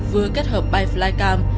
vừa kết hợp bay flycam